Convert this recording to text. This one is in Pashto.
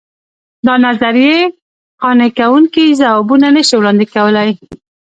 دا نظریې قانع کوونکي ځوابونه نه شي وړاندې کولای.